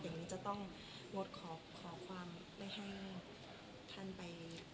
เดี๋ยวนี้จะต้องงดขอความไม่ให้ท่านไป